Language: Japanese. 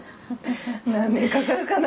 何年かかるかな。